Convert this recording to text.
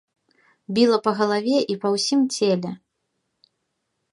Біла па галаве і па ўсім целе.